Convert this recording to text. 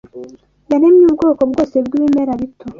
Yaremye ubwoko bwose bw’ibimera bito